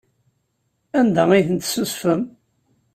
Anda ay tent-tessusfem?